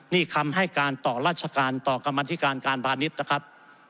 นี่คำให้การต่อราชการต่อกรรมธิการการพาณิชย์นะครับ